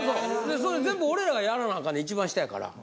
それ全部俺らがやらなあかんねん一番下やから。